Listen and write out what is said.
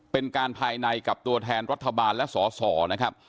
เป็นการภายในกับตัวแทนรัฐบาลและสอสอนะครับ